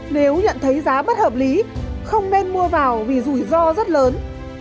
nếu nhận thấy giá bất hợp lý không nên mua vào vì rủi ro rất lớn